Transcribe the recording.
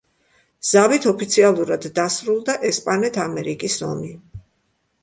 ზავით ოფიციალურად დასრულდა ესპანეთ-ამერიკის ომი.